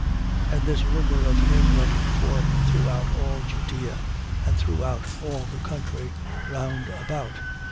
7:17. And this rumour of him went forth throughout all Judea and throughout all the country round about.